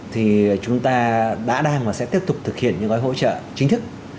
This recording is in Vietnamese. thì chúng ta đã đang và sẽ tiếp tục thực hiện những gói hỗ trợ chính thức